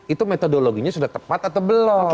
itu metodologinya sudah tepat atau belum